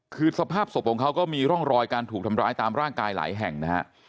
คือสภาพศพของเขาก็มีร่องรอยการถูกทำร้ายตามร่างกายหลายแห่งนะฮะ